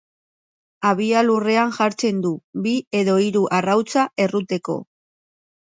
Habia lurrean jartzen du, bi edo hiru arrautza erruteko.